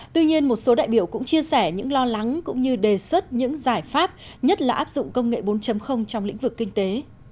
tuy nhiên một số đại biểu cũng chia sẻ những lo lắng cũng như đề xuất những giải pháp nhất là áp dụng công nghệ bốn trong lĩnh vực kinh tế